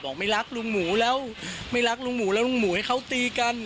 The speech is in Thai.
ไม่รักลุงหมูแล้วไม่รักลุงหมูแล้วลุงหมูให้เขาตีกัน